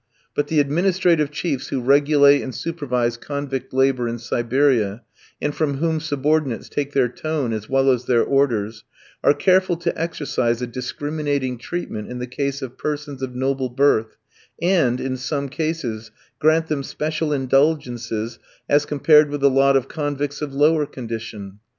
But the administrative chiefs who regulate and supervise convict labour in Siberia, and from whom subordinates take their tone as well as their orders, are careful to exercise a discriminating treatment in the case of persons of noble birth, and, in some cases, grant them special indulgences as compared with the lot of convicts of lower condition.